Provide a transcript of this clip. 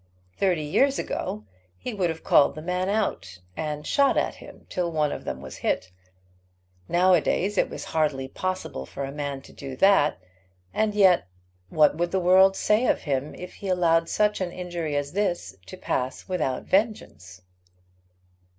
Thirty years ago he would have called the man out, and shot at him till one of them was hit. Now a days it was hardly possible for a man to do that; and yet what would the world say of him if he allowed such an injury as this to pass without vengeance?